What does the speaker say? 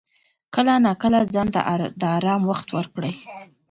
کله ناکله ځان ته د آرام وخت ورکړه.